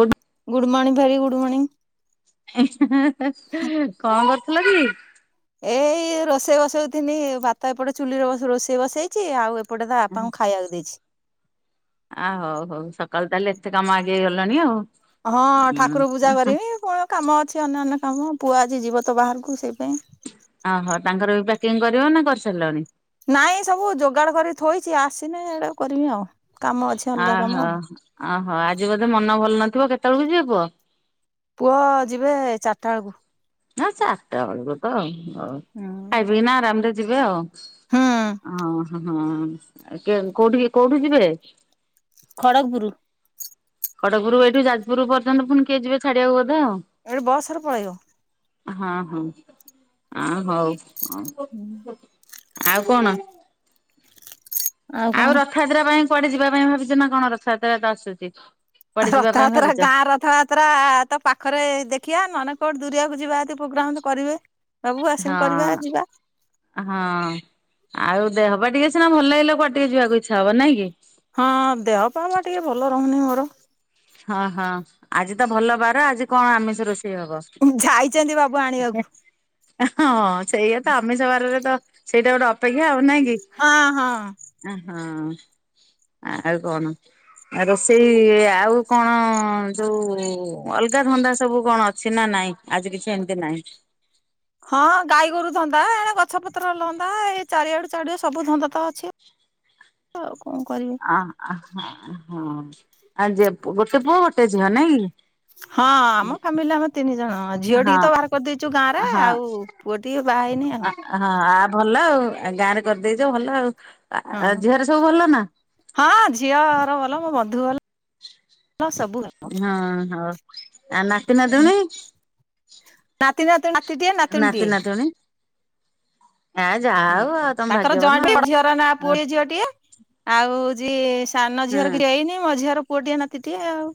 ଗୁଡ଼ good morning very good morning. କଣ କରୁଥିଲ କି? ଏଇ ରୋଷେଇ ବସେଇଥିନି ଭାତ ଏପଟେ ଚୁଲିରେ ରୋଷେଇ ବସେଇଚି ଆଉ ଏ ଏପଟେ ତା ବାପାଙ୍କୁ ଖାଇବାକୁ ଦେଇଚି। ଆ ହଉ ହଉ ସକାଳୁ ତାହେଲେ ଏତେ କାମ ଆଗେଇ ଗଲାଣି ଆଉ ହଁ ଠାକୁର ପୂଜା କରିବି କଣ କାମ ଅଛି ଅନ୍ୟାନ୍ୟ ହଁ ମ ପୁଅ ଆଜି ଯିବ ତ ବାହାରକୁ ସେଇ ପାଇଁ ପକିଁଙ୍ଗ କରିବ ନା କରିସାରିଲଣି? ନାଇଁ ସବୁ ଯୋଗାଡ଼ କରି ଥୋଇଛି ଆସିନି ଏଇଡେ କରିବି ଆଉ। କାମ ଅଛି ଅଲଗା କାମ ଅହୋ ଆଉ ଅହୋ ଆଜି ବୋଧେ ମନ ଭଲ ନଥିବ କେତେବେଳକୁ ଯିବେ ପୁଅ? ପୁଅ ଯିବେ ଚାରିଟା ବେଳକୁ। ନା ଚାରିଟା ବେଳକୁ ତ ଆଉ ହୋଉ ଖାଇ ପିି କିନା ଆରାମରେ ଯିବେ ଆଉ। ହୁଁ ଓ ହ କୋଉଠି କୋଉଠି ଯିବେ? ଖଡ଼ଗପୁରୁ ଖଡ଼ଗପୁରୁ ଏଇଠୁ ଯାଜପୁର ପର୍ଯ୍ୟନ୍ତ ପୁଣି କେହି ଯିବେ ଛାଡ଼ିବାକୁ ବ ଏଠୁ ବସରେ ପଳେଇବ। ହଁ ହଁ ଆ ହଉ ହଉ। ଆଉ କଣ ଆଉ ରଥଯାତ୍ରା ପାଇଁ କୁଆଡ଼େ ଯିବା ପାଇଁ ଭାବିଛ ନା କଣ ରଥଯାତ୍ରା ତ ଆସୁଚି? ରଥଯାତ୍ରା ଗାଁ ରଥଯାତ୍ରା ତ ପାଖରେ ଦେଖିବା ନହେଲେ କୋଉଠି ଦୁରିଆକୁ ଯିବା ଯଦି ପ୍ରୋଗ୍ରାମ ତି କରିବେ। ବାବୁ ହଁ ଆସିଲେ କରିବା ଯିବା ହଁ ଆଉ ଦେହପା ଟିକେ ସିନା ଭଲ ଲାଗିଲେ କୁଆଡ଼େ ଟିକେ ଯିବାକୁ ଇଚ୍ଛା ହବ ନାଇଁ କି? ତ ହଁ ହଁ ଆଜି ତ ଭଲ ବାର ଆଜି କଣ ଆମିଷ ରୋଷେଇ ହବ? ଯାଇଚନ୍ତି ବାବୁ ଆଣିବାକୁ ହଁ ସେଇଆ ତ ଆମିଷ ବାରରେ ତ ସେଇଟା ଗୋଟେ ଅପେକ୍ଷା ହଉ ନା କି? ହଁ ହଁ କି ଅ ହଁ। ଆଉ କଣ ଆ ରୋଷେଇ ଆଉ କଣ ଯୋଉ ଅଲଗା ଧନ୍ଦା ସବୁ କଣ ଅଛି ନା ନାଇଁ ଆଜି କିଛି ଏମିତି ନାଇଁ? ହଁ ଗାଈ ଗୋରୁ ଧନ୍ଦା ଏଣେ ଗଛପତ୍ର ଲନ୍ଦା ଏଇ ଚାରିଆଡୁ ଚାରିଆଡୁ ସବୁ ଧନ୍ଦା ତ ଅଛି। ହ ଆଉ କଣ କରିବି ଆ ହଁ ଆ ଯେ ଗୋଟେ ପୁଅ ଗୋଟେ ଝିଅ ନାଇଁ କି? ହଁ ଆମ ଫାମିଲିରେ ଆମେ ତିନି ଜଣ। ହଁ ଝିଅଟିକୁ ତ ବାହା କରିଦେଇଚୁ ଗାଁ ରେ ହଁ ଆଉ ପୁଅଟିଏ ବାହା ହେଇନି ଆଉ। ହଁ ଆ ଭଲ ଆଉ ଆଉ ଗାଁ ରେ କରିଦେଇଚ ଭଲ ହଁ ଆଉ। ଝିଅରେ ସବୁ ଭଲ ନା? ହଁ ଝିଅର ଭଲ ମୋ ବନ୍ଧୁ ଭଲ ସବୁ ଭଲ ହଁ ହୋଉ। ଆ ନାତି ନାତୁଣୀ? ନାତି ନାତୁଣୀ ନାତି ଟିଏ ନାତୁଣୀ ନାତି ଟିଏ। ନାତୁଣୀ ଆ ଯାହା ହଉ ଆଉ ହୁଁ ତମେ ତାଙ୍କର ଭାଗ୍ୟବାନ ଜଏଣ୍ଟ ଆଉ ଝିଅର ନା ପୁଅ ଟିଏ ଝିଅଟିଏ ଆଉ ଆଜି ସାନ ଝିଅର ହଁ। କିଛି ହେଇନି ମଞ୍ଝିଆର ପୁଅଟିଏ ନାତିଟିଏ ଆଉ।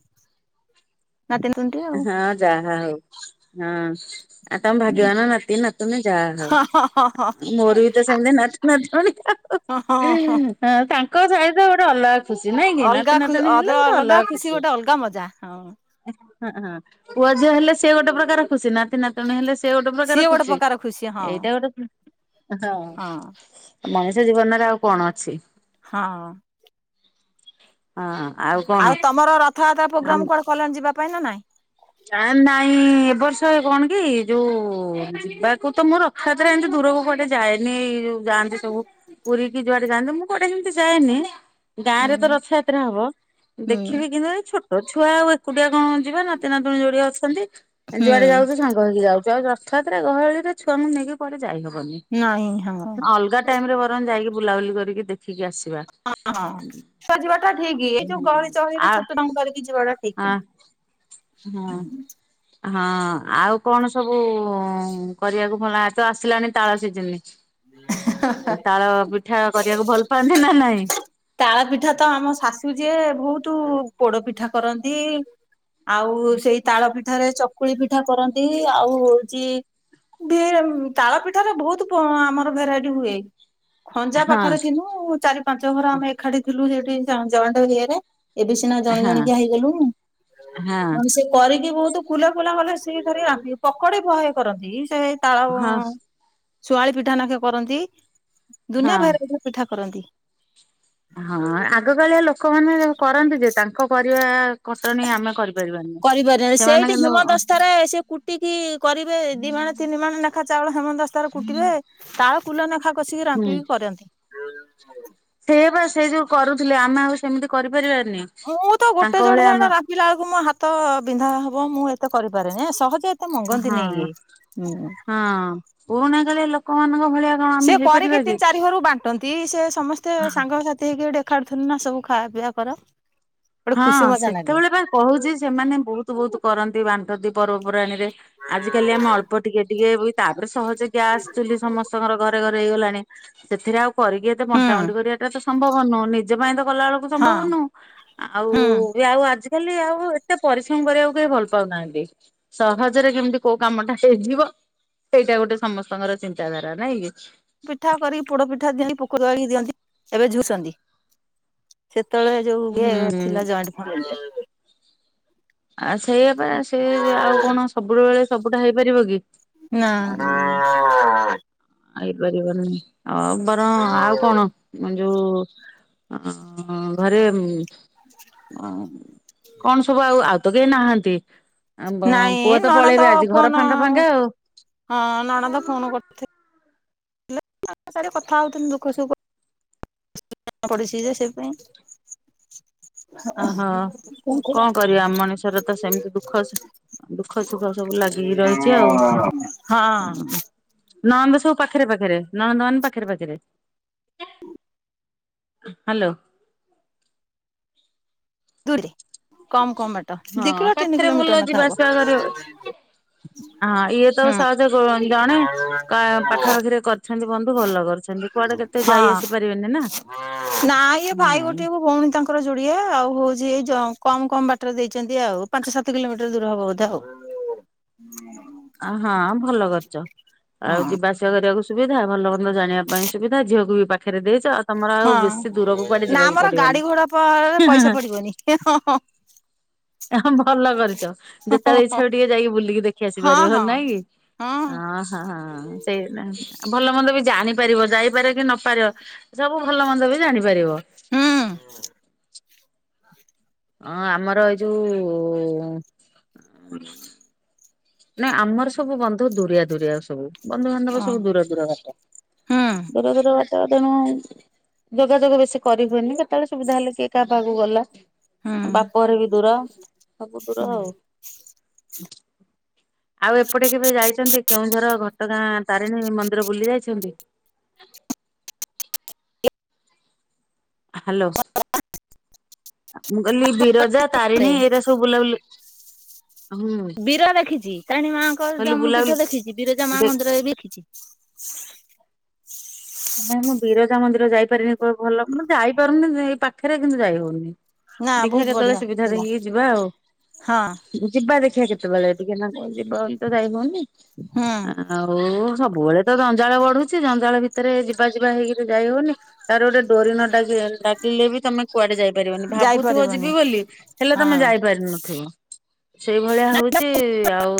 ନାତି ନାତୁଣୀଟିଏ ଆଉ। ହଁ ଯାହା ହଉ ହଁ। ଆଉ ତମ ଭାଗ୍ୟବାନ ନାତି ନାତୁଣୀ ଯାହା ହଁ ହଁ ହଁ ହଁ ହଉ ମୋର ବି ତ ସେମିତି ନାତି ନାତୁଣୀ। ହଁ ହଁ ହଁ ତାଙ୍କ ସହିତ ଗୋଟେ ଅଲଗା ଖୁସି ନାଇଁ କି ଅଲଗା ନାତି ଖୁ ନାତିଣୀ ହେଲେ ଗୋଟେ ଅଲଗା ଖୁସି। ଗୋଟେ ଅଲଗା ମଜା ହଁ ହଁ ପୁଅ ଝିଅ ହେଲେ ସେ ଗୋଟେ ପ୍ରକାର ଖୁସି ନାତି ନତୁଣୀ ହେଲେ ସେ ଗୋଟେ ପ୍ରକାର ସିଏ ଗୋଟେ ଖୁସି। ପ୍ରକାର ଖୁସି ହଁ ଏଇଟା ଗୋଟେ ହଁ ମଣିଷ ଜୀବନରେ ଆଉ କଣ ଅଛି। ହଁ। ହଁ। ଆଉ ତମର ରଥଯାତ୍ରା ଆମ ପ୍ରୋଗ୍ରାମ କୁଆଡ଼େ କଲଣି ଯିବା ପାଇଁ ନା ନାଇଁ? ଆ ନାଇଁ ଏ ବର୍ଷ କଣ କି ଯୋଉ ଯିବାକୁ ତ ମୁଁ ରଥଯାତ୍ରା ଏମିତି ଦୂରକୁ କୁଆଡ଼େ ଯାଏନି ଏଇ ଯୋଉ ଯାଆନ୍ତି ସବୁ ପୁରୀ କି ଯୁଆଡ଼େ ଯାଆନ୍ତୁ ମୁଁ କୁଆଡ଼େ ସେ ଏମିତି ଯାଏନି। ହୁଁ ଗାଁରେ ତ ରଥଯାତ୍ରା ହବ ହୁଁ ଦେଖିବି କିନ୍ତୁ ଏ ଛୋଟ ଛୁଆ ଆଉ ଏକୁଟିଆ କଣ ଯିବି ନାତି ନାତୁଣୀ ଯୋଡିଏ ଅଛନ୍ତି ହୁଁ ଯୁଆଡେ ଯାଉଚୁ ସାଙ୍ଗ ହେକି ଯାଉ। ଯ ରଥଯାତ୍ରା ଗହଳିରେ ଛୁଆଙ୍କୁ ନେଇକି କୁଆଡେ ଯାଇହବନି। ନାଇଁ ହଁ ଅଲଗା ଟାଇମିରେ ବରଂ ଯାଇକି ବୁଲାବୁଲି କରିକି ଦେଖିକି ଆସି ହଁ ହଁ ଅଲଗା ଯିବାଟା ଠିକ ଏ ଯୋଉ ଗହଳି ହୁଁ। ଚହଳି ରେ ଆ ଛୋଟ ଛୁଆଙ୍କୁ ଧରିକି ଜିବାଟା ବାଟା ଠିକ୍ ନୁହେଁ। ହୁଁ। ହଁ ଆଉ କଣ ସବୁ କରିବାକୁ ଭଲ ଏ ତ ଆସିଲାଣି ତାଳ ସିଝିନି। ତାଳ ପିଠା କରିବାକୁ ଭଲ ପାଆନ୍ତି ନା ନାଇଁ? ତାଳ ପିଠା ତ ଆମ ଶାଶୁ ଯିଏ ବହୁତ ପୋଡ ପିଠା କରନ୍ତି। ଆଉ ସେଇ ତାଳ ପିଠାରେ ଚକୁଳି ପିଠା କରନ୍ତି ଆଉ ହଉଛି ଢେର୍ ତାଳ ପିଠାାରେ ବହୁତ ଆମର ଭେରାଇଟି ହୁଏ। ଖଞ୍ଜା ହଁ ପାଖରେ ଥିନୁ ଚାରି ପାଞ୍ଚ ଘର ଆମେ ଏଖାଠି ଥିଲୁ ସେଠି ଯଏଣ୍ଟ ଇଏରେ ଏବେ ସିନା ଜଣି ଜଣି ହଁ କିିଆ ହେଇଗଲୁଣି ହଁ ନହେଲେ ସେ କରିକି ବହୁତ କୁଲା କୁଲା କଲେ ସେ ଧରି ବାଟନ୍ତି ପକଡି ବହେ କରନ୍ତି ସେ ତାଳ ହଁ ଶୁଆଁଳି ପିଠା ନାଖେ କରନ୍ତି ଦୁନିଆ ହଁ। ଭେରାଇଟି ପ୍ରକାର ପିଠା କରନ୍ତି। ହଁ ଆଗକାଳିଆ ଲୋକମାନେ କରନ୍ତି ଯେ ତାଙ୍କ କରିବା ଖଟଣୀ ଆମେ କରିପାରିବା କରିପାରିବାନି ସେଇଠି ହିମ ଦସ୍ତାରେ ସେ କୁଟିକି କରିବେ ଦି ମାଣେ ତିନି ମାଣେ ଲେଖା ଚାଉଳ ହେମ ଦସ୍ତା ରେ କୁଟିବେ ତାଳ କୁଲେନେଖା କଷିକି ରାମ୍ପିକି କରନ୍ତି। ସେୟା ବା ସେ ଯୋଉ କରୁଥିଲେ ଆମେ ଆଉ ସେମିତି କରିପାରିବାକି? ମୁଁ ତ ଗୋଟେ ଜୋଡେ ହଣା ରାମ୍ପିଲା ବେଳକୁ ମୋ ହାତ ବିନ୍ଧା ହବ ମୁଁ ଏତେ ମୁତ କରିପାରେନି ଏ ସହଜେ ଏତେ ମଙ୍ଗନ୍ତିନି ହଁ ଇଏ ହୁଁ। ହଁ ପୁରୁଣା କାଳିଆ ଲୋକମାନଙ୍କ ଭଳିଆ କଣ ଆମେ ସିଏ କରିକି ହେଇପାରିବା କି? ତିନି ଚାରି ଘରକୁ ବାଣ୍ଟନ୍ତି। ତିରିସେ ସମସ୍ତେ ସାଙ୍ଗସାଥି ହେଇକି ହେଠେ ଏଖାଠିଥିଲୁ ନା ସବୁ ଖାଇଵା ପିଇବା କର। ଗୋଟେ ହଁ ଖୁସି ମଜା ଲାଗେ ସେତେବେଳେ ପା ହୁଁ କହୁଛି ସେମାନେ ବହୁତ ବହୁତ କରନ୍ତି ବାଣ୍ଟନ୍ତି ପର୍ବପର୍ବାଣୀରେ। ଆଜ କାଲି ଆମେ ଅଳ୍ପ ଟିକେ ଟିକେ ବି ତାପରେ ସହଜେ ଗ୍ୟାସ ଚୁଲି ସମସ୍ତଙ୍କର ଘରେ ଘରେ ହେଇଗଲାଣି ସେଥିରେ ଆଉ କରିକି ଏତେ ବଣ୍ଟା ବଣ୍ଟି କରିବାଟା ତ ସମ୍ଭବ ନୁହୁଁ ନିଜ ପାଇଁ ତ କଲା ବେଳକୁ ତ ସମ୍ଭବ ହଁ ନୁହୁଁ। ଆଉ ହୁଁ ବି ଆଉ ଆଜିକାଲି ଆଉ ଏତେ ପରିଶ୍ରମ କରିବାକୁ କେହି ଭଲ ପାଉନାହାନ୍ତି। ସହଜରେ କେମିତି କୋଉ କାମଟା ହେଇଯିବ ସେଇଟା ଗୋଟେ ସମସ୍ତଙ୍କର ଚିନ୍ତାଧାରା ନାଇଁ କି? ପିଠା କରିକି ପୋଡ ପିଠା ଦିଅନ୍ତି ପକୁଡ଼ି କରିକି ଦିଅନ୍ତ ଏବେ ଝୁରୁଚନ୍ତି। ସେତେବେଳେ ଯୋଉ ଇଏ ଥିଲା ହୁଁ ଜଏଣ୍ଟ୍ ଫାମିଲ୍ ରେ ଆ ସେଇଆପା ସେ ଆଉ କଣ ସବୁ ବେଳେ ସବୁଟା ହେଇପାରିବ କି? ନାଁ। ହେଇ ପାରିବନି ଆଉ ବରଂ ଆଉ କଣ ମୁଁ ଯୋଉ ଆଁ ଘରେ ଅ କଣ ସବୁ ଆଉ ଆଉ ତ କେହି ନାହାନ୍ତି। ଆମ୍ବ ନାଇଁ ପୁଅ ତ ନଣନ୍ଦ ପଳେଇବେ ଆଜି ଘର ଫୋନ ଫାଙ୍କା ଫାଙ୍କା ଆଉ। ହଁ ହେଲେ ବି ତାଙ୍କ ସାଙ୍ଗେ କଥା ହଉଥିଲି ଦୁଃଖ ସୁଖ। ପଡିଛି ଯେ ସେଇଥିପାଇଁ ଅ ହ କଣ କରିବା ମଣିଷରେ ତ ସେମିତି ଦୁଃଖ ସୁ ସୁଖ ସବୁ ଲାଗ ହଁ। ନଣନ୍ଦ ସବୁ ପାଖେରେ ପାଖେରେ ନଣନ୍ଦ ମାନେ ପାଖେରେ ପାଖେରେ? ହାଲୋ। [unintelligible] କମ୍ କମ୍ ବାଟ ଦି ହଁ କିଲୋ ତିନି ପାଖରେ ଭଲ କିଲୋମିଟର ଲେଖା ଯିବା ଆସିବା କରିବ ହବ। ହଁ ଇଏ ତ ସହଜେ ଜଣେ ପାଖାପାଖିରେ କ କରିଛନ୍ତି ବନ୍ଧୁ ଭଲ କରିଛନ୍ତି କୁଆଡ଼େ କେତେ ଯାଇ ଆସି ପାରିବେନି ନା। ନାଇଁ ଇଏ ଭାଇ ଗୋଟିଏ କୁ ଭଉଣୀ ତାଙ୍କର ଯୁଡି଼ଏ ଆଉ ହଉଛି ତ କମ୍ କମ୍ ବାଟରେ ଦେଇଛନ୍ତି ଆଉ ପାଞ୍ଚ ସାତ କିଲୋମିଟର ଦୂର ହବ ବୋଧେ ଆଉ। ଆ ହଁ ଭଲ କରିଛ ଆଉ ହଁ ଯିବା ଆସିବା କରିବାକୁ ସୁବିଧା ଭଲ କରି ଜାଣିବା ପାଇଁ ସୁବିଧା ଝିଅକୁ ବି ପାଖରେ ଦେଇଚ। ତମର ଆଉ ହଁ ବେଶୀ ଦୂରକୁ କୁଆଡ଼େ ନା ଯିବାକୁ ଆମର ଗାଡି ଘୋଡା ପରେ ପଇସା ପଡ଼ିବନି। ପଡିବନି ହଁ ଭଲ କରିଛ ଯେତେବେଳେ ଇଚ୍ଛା ଟିକେ ଯାଇକି ବୁଲିକି ଦେଖି ଆସି ହଁ ପାରିବ ହଁ ହେଲା ନାଇଁ କି। ହଁ। ଅହ ହଁ ସେଇ ଭଲ ମନ୍ଦ ବି ଜାଣି ପାରିବ ଯାଇପାରେ କି ନପାରିବ ସବୁ ଭଲ ମନ୍ଦ ବି ଜାଣିପାରିବ। ହୁଁ। ହଁ ଆମର ଏଇ ଯୋଉ ନାଁ ଆମର ସବୁ ବନ୍ଧୁ ଦୁରିଆ ଦୁରିଆ ସବୁ। ବନ୍ଧୁବାନ୍ଧବ ଓ ସବୁ ଦୂର ଦୂର ବାଟ ହୁଁ ଦୂର ଦୂର ବା ତ ତେଣୁ ଯୋଗାଯୋଗ ବେଶୀ କରିହୁଏନି କେତେବେଳେ ସୁବିଧା ହେଲେ କିଏ କାହା ପାଖକୁ ଗଲା। ହୁଁ ବାପଘର ବି ଦୂର ସବୁ ଦୂର ହୁଁ। ଆଉ। ଆଉ ଏପଟେ କେବେ ଯାଇଛନ୍ତି କେଉଁଝର, ଘଟଗାଁ ତାରିଣୀ ମନ୍ଦିର, ବୁଲି ଯାଇଛନ୍ତି? ହ୍ୟାଲୋ। ମୁଁ କହିଲି ବିରଜା, ତାରିଣୀ ଏଇରା ସବୁ ବୁଲାବୁଲି ହୁଁ ବୀର ଦେଖିଛି ତାରିଣୀ ମାଆଙ୍କ କହିଲି ଜନ୍ମ ବୁଲାବୁଲି ପୀଠ ଦେଖିଛି ବିରଜା ମା ଦେ ମନ୍ଦିରରେ ବି ନାଁ ମୁଁ ବିରଜା ମନ୍ଦିର ଯାଇପାରିନି ଭଲ [unintelligible] ଯାଇପାରୁନି ଏଇ ପାଖରେ କିନ୍ତୁ ଯାଇ ହଉନି‌। ନା ଦେଖିବା ବହୁତ କେତେବେଳେ ବଢିଆ ସୁବିଧା ଜାଗା ଦେଖିକି ଯିବା ଆଉ ହଁ ଯିବା ଦେଖିବା କେତେବେଳେ ଟିକେ ନା ଯିବ ବୋଲି ତ ଯାଇ ହଉନି ହୁଁ ଆଉ ସବୁବେଳେ ତ ଜଞ୍ଜାଳ ବଢ଼ୁଛି ଜଞ୍ଜାଳ ଭିତ୍ ଭିତରେ ଯିବା ଯିବା ହେଇକିରି ଯାଇ ହଉନି ତାର ଗୋଟେ ଡୋରି ନ ଡା ଡ଼ାକିଲେ ବି ତମେ କୁଆଡ଼େ ଯାଇପାରିବନି ଭାବୁଥିବ ଯାଇପାରିବନି ଯିବି ବୋଲି ହେଲେ ତମେ ହଁ। ଯାଇପାରିନଥିବ। ସେଇଭଳିଆ ହଉଛି ଆଉ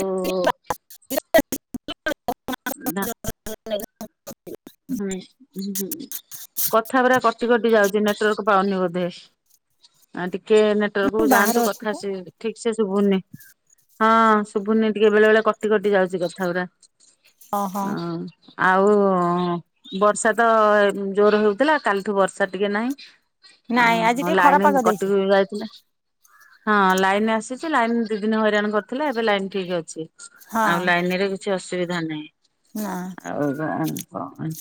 ନା [unintelligible] ହୁଁ ହୁଁ। କଥା ଗୁରା କଟି କଟି ଯାଉଛି ନେଟୱାର୍କ ପାଉନି ବୋଧେ ଆ ଟିକେ ଟିକେ ନେଟୱାର୍କ କୁ ବାହାରେ ଯାଆନ୍ତୁ ଅଛି କଥା ତ ଠିକ୍ ସେ ଶୁଭୁନି ହଁ। ଶୁଭୁନି ଟିକେ ବେଳେ ବେଳେ କଟି କଟି ଯାଉଛି କଥା ଗୁରା ଓହୋ ଆଉ ଆଉ ବର୍ଷା ତ ଜୋର୍ ହଉଥିଲା କାଲିଠୁ ବର୍ଷା ଟିକେ ନାହିଁ। ନାଇଁ ଆଜି ଆ ଟିକେ ଖରାପ ପାଗ ଲାଇନ୍ ଦେଇଛି କଟିକି ଯାଇଥିଲା। ହଁ ଲାଇନ୍ ଆସିଛି ଲାଇନ୍ ଦି ଦିନ ହଇରାଣ କରିଥିଲା ଏବେ ଲାଇନ୍ ଠିକ୍ ଅଛି। ହଁ ଆଉ ଲାଇନ୍ ରେ କିଛି ଅସୁବିଧା ନା। ନାହିଁ ଆଉ କଣ [unintelligible]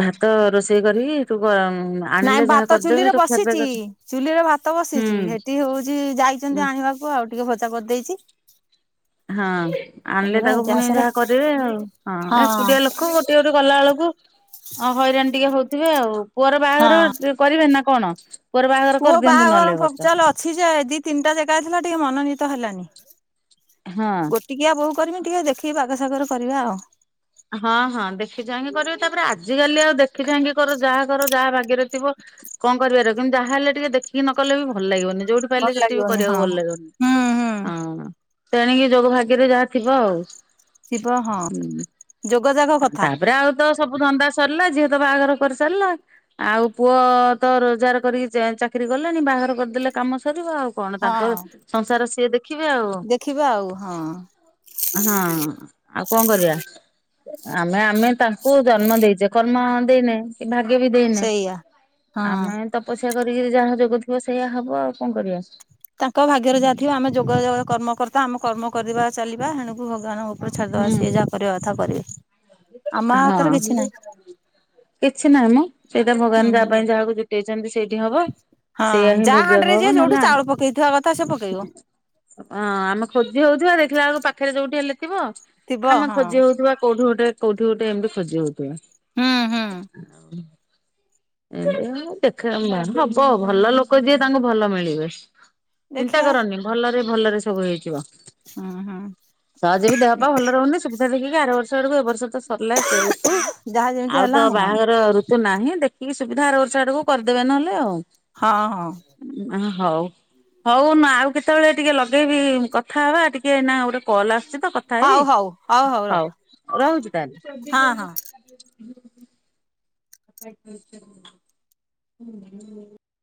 ଭାତ ରୋଷେଇ କରିକି ତୁ [unintelligible] ନାଇଁ ଯାହା ଭାତ ଚୁଲି କରିଦେବେ ରେ ତୁ ଖିଆପିଆ ବସିଛି କରି ଚୁଲିରେ ଭାତ ବସିଛି ସେଠି ହଉଛି ଯାଇଛନ୍ତି ହୁଁ। ଆଣିବା ତାକୁ ଆଉ ଟିକେ ଭଜା କରିଦେଇଛି। ହଁ। ଆଣିଲେ ତାକୁ ଫୁଣି ଗ୍ୟାସରେ ଯାହା କରିବେ ଆଉ ହଁ ଏକୁଟିଆ ଲୋକ ଗୋଟି ଗୋଟି କଲାଅଳୁକୁ ଅ ହଇରାଣ ଟିକେ ହୋଉଥିବେ ଆଉ। ପୁଅର ହଁ ବାହାଘର କରିବେ ନା କଣ? ପୁଅର ବାହାଘର ପୁଅ କରିଦିଅନ୍ତୁ ନହେଲେ ବାହାଘର ଏ ପପ୍ ବର୍ଷ ଚାଲ ଅଛି ଯେ ଦିଇ ତିନିଟା ଜେଗା ଜାଥିଲା ଟିକେ ମନୋନୀତ ହେଲାନି। ହଁ। ଗୋଟିକିଆ ବୋହୁ କରମି ଟିକେ ଦେଖିକି ବାଗ ସାଗରେ କରିବା ଆଉ। ହଁ ହଁ ଦେଖି ଚାହିଁକି କରିବେ ତାପରେ ଆଜିକାଲି ଆଉ ଦେଖି ଚାହିଁକି କର ଯାହା କର ଯାହା ଭାଗ୍ୟରେ ଥିବ କଣ କରିବାର କିନ୍ତୁ ଯାହାହଲେ ଟିକେ ଦେଖିକି ନ କଲେ ବି ଭଲ ଲାଗିବନି। ଯୋଉଠି ଭଲ ପାଇଲେ ସେଠି ବି ଲାଗିବନି ହଁ କରିବାକୁ ଭଲ ଲାଗିବନି ହୁଁ ହୁଁ ହଁ। ତେଣିକି ଯୋଗ ଭାଗ୍ୟରେ ଯାହା ଥିବ ଆଉ। ଥିବ ହଁ ହୁଁ। ଯୋଗ ଯାଗ କଥା। ତାପରେ ଆଉ ତ ସବୁ ଧନ୍ଦା ସରିଲା ଝିଅ ତ ବାହାଘର କରି ସାରିଲା ଆଉ ପୁଅ ତ ରୋଜଗାର କରିକି ଜେ ଚାକିରି କିରୀ କଲେଣି ବାହାଘର କରିଦେଲେ କାମ ସରିବ ଆଉ କଣ ତାଙ୍କ ହଁ ସଂସାର ସିଏ ଦେଖ ଦେଖିବେ ଆଉ ଦେଖିବା ଆଉ ହଁ ହଁ। ଆଉ କଣ କରିବା। ଆମେ ଆମେ ତାଙ୍କୁ ଜନ୍ମ ଦେଇଚେ କର୍ମ ଦେଇନେ। କି ଭାଗ୍ୟ ବି ଦେଇନେ। ସେଇଆ ହଁ ଆମେ ତପସ୍ୟା କରି କିରି ଯାହା ଯୋଗ ଥିବ ସେଇଆ ହବ ଆଉ କଣ କରିବା। ତାଙ୍କ ଭାଗ୍ୟରେ ଯାହା ଥିବ। ଆମେ ଯୋଗ କର୍ମକର୍ତ୍ତା ଆମେ କର୍ମ କରିବା ଚାଲିବା ହେଣୁକୁ ଭଗବାନଙ୍କ ଉପ ଉପରେ ଛାଡ଼ିଦେବା ସିଏ ଯାହା କରିବା କଥା କରିବେ। ଆମ ହଁ ହାତରେ କିଛି ନାହିଁ କିଛି ନାହିଁ ମ ସେଇଟା ଭଗବାନ ହୁଁ ଯାହା ପାଇଁ ଯାହାକୁ ଯ ସେଇଠି ହବ। ସେଇଆ ହଁ ହିଁ ଯାହା ଭୋଗିବାକୁ ହାଣ୍ଡିରେ ହବ ଯିଏ ଯୋଉଠି ନହେଲେ ଆ ଚାଉଳ ପକେଇଥିବା କଥା ସେ ପକେଇବ ଅଁ ଆମେ ଖୋଜି ହୋଉଥିବା ଦେଖିଲା ବେଳକୁ ପାଖରେ ଯୋଉଠି ହେଲେ ଥିବ ଥିବ ଆମେ ହଁ ଖୋଜି ହୋଉଥିବା କୋଉଠି ଗୋଟେ କୋଉଠି ଗୋଟେ ଏମିତି ଖୋଜି ହୋଉଥିବା। ହୁଁ ହୁଁ ଆଉ। ଏନ୍ତି ଆ ଦେଖେମ୍ୱା ହବ ଭଲ ଲୋକ ଯିଏ ତାଙ୍କୁ ଭଲ ମିଳିବେ। ଚିନ୍ତା ଦେଖିବା କରନି ଭଲରେ ଭଲରେ ସବୁ ହେଇଯିବ। ହୁଁ ହୁଁ ସହଜେ ବି ଦେହ ପା ଭଲ ରହୁନି ସୁବିଧା ଦେଖିକି ଆର ବର୍ଷ ଆଡକୁ ଏବ ବର୍ଷ ତ ସରିଲା ସେ ଋତୁ ଯାହା ଯେମିତି ଆଉ ତ ହେଲା ହଁ ବାହାଘର ଋତୁ ନାହିଁ ଦେଖି କି ସୁବିଧା ଆର ବର୍ଷ ଆଡ଼କୁ କରିଦେବେ ନହେଲେ ଆଉ। ହଁ ହଁ। ହୋଉ ହୋଉ ମା ଆଉ କେତେବେଳେ ଟିକେ ଲଗେଇବି କଥା ହେବା ଟିକେ ନା ଗୋଟେ କଲ୍ ଆସୁଚି ତ କଥା ହେବି ହଉ ହଉ ହଉ ହଉ ରଖ ହୋଉ ରୋହୁଚି। ହଁ ଛବିଶ ଜ ହଁ [inaudible] ହୁଁ [inaudible]